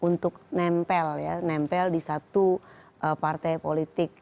untuk nempel ya nempel di satu partai politik